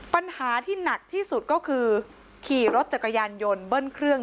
ปัญหาที่หนักที่สุดก็คือขี่รถจักรยานยนต์เบิ้ลเครื่อง